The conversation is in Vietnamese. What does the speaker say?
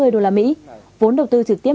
đô la mỹ vốn đầu tư trực tiếp